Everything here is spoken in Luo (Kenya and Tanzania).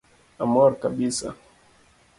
Amor kabisa